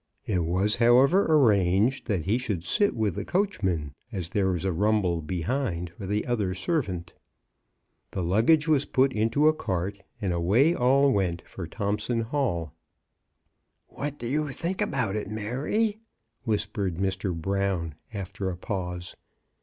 It was, however, arranged that he should sit with the coachman, as there was a rumble behind for the other servant. The luggage was put into a cart, and away all went for Thomp son Hall. "What do you think about it, Mary?" whis pered Mr. Brown, after a pause.